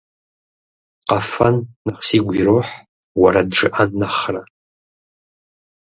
Къэфэн нэхъ сигу ирохь уэрэд жыӏэн нэхърэ.